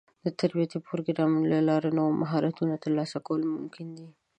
د تربيتي پروګرامونو له لارې د نوو مهارتونو ترلاسه کول ممکن دي.